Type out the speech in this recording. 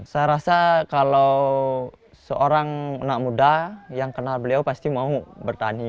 saya rasa kalau seorang anak muda yang kenal beliau pasti mau bertani